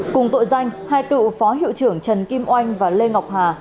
cùng tội danh hai cựu phó hiệu trưởng trần kim oanh và lê ngọc hà